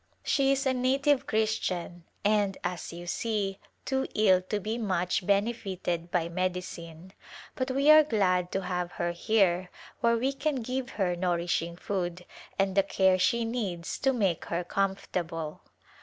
She is a native Christian and, as you see, too ill to be much benefited by medicine, but we are glad to have her here where we can give her nourishing food and the care she needs to make her comfortable.